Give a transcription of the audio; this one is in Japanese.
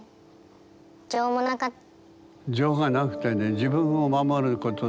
情もなかった。